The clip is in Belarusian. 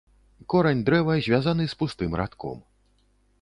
Корань дрэва звязаны з пустым радком.